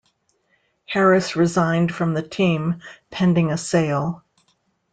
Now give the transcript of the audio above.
Harris resigned from the team pending a sale.